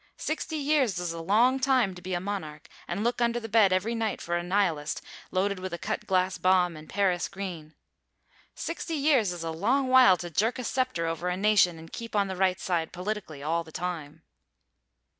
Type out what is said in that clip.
Sixty years is a long time to be a monarch and look under the bed every night for a Nihilist loaded with a cut glass bomb and Paris green. Sixty years is a long while to jerk a sceptre over a nation and keep on the right side, politically, all the time.